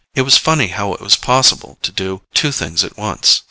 It was funny how it was possible to do two things at once.